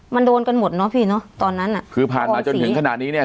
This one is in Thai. มันโดนกันหมดเนอะพี่เนอะตอนนั้นอ่ะคือผ่านมาจนถึงขนาดนี้เนี้ย